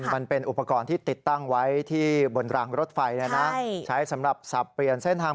มันเป็นอุปกรณ์ที่ติดตั้งไว้ที่บนรางรถไฟใช้สำหรับสับเปลี่ยนเส้นทาง